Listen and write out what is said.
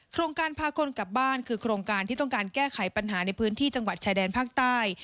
โครงการพาคนกลับบ้านคือโครงการที่ต้องการแก้ไขปัญหาในพื้นที่จังหวัดชายแดนภาคใต้